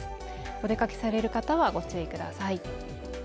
お出かけされる方はご注意ください。